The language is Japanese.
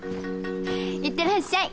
いってらっしゃい！